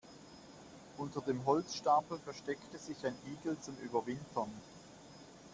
Unter dem Holzstapel versteckte sich ein Igel zum Überwintern.